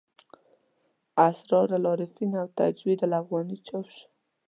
اسرار العارفین او تجوید الافغاني چاپ شو.